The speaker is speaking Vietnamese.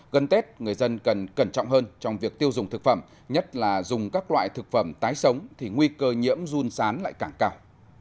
gần tết người dân cần cẩn trọng hơn trong việc tiêu dùng thực phẩm nhất là dùng các loại thực phẩm tái sống thì nguy cơ nhiễm run sán lại càng cao